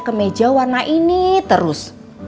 kemeja warna ini terus